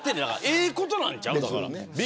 ええことなんちゃう。